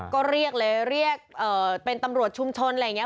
ก็เรียกเลยเรียกเป็นตำรวจชุมชนอะไรอย่างนี้